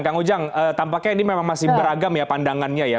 kang ujang tampaknya ini memang masih beragam ya pandangannya ya